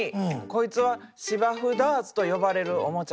こいつは芝生ダーツと呼ばれるおもちゃや。